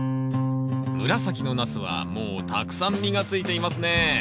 紫のナスはもうたくさん実がついていますね。